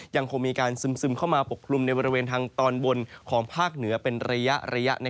ยังคงมีการซึมเข้ามาปกคลุมในบริเวณทางตอนบนของภาคเหนือเป็นระยะ